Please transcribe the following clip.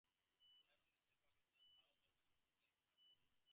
Harrisville State Park is just south of Harrisville on Lake Huron.